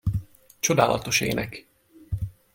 Csodálatos ének!